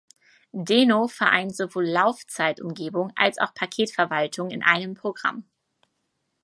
Deno vereint sowohl Laufzeitumgebung als auch Paketverwaltung in einem Programm.